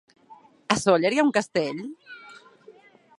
A Sóller hi ha un castell?